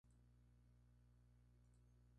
Era propietaria de una editorial del mismo nombre.